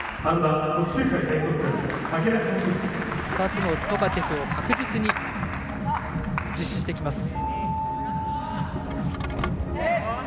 ２つのトカチェフを確実に実施してきます。